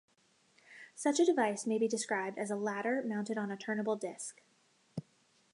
Such a device may be described as a ladder mounted on a turnable disk.